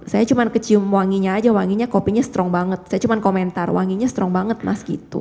saya cuma kecium wanginya aja wanginya kopinya strong banget saya cuma komentar wanginya strong banget mas gitu